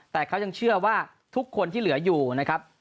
แต่เขายังเชื่อว่าทุกคนที่เหลืออยู่นะครับ